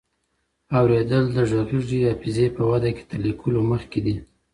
اورېدل د غږیزې حافظې په وده کي تر لیکلو مخکې دي.